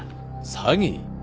詐欺？